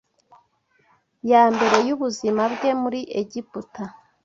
ya mbere y’ubuzima bwe muri Egiputa